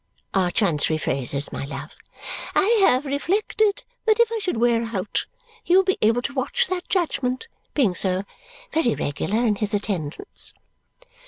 (Our Chancery phrases, my love.) I have reflected that if I should wear out, he will be able to watch that judgment. Being so very regular in his attendance."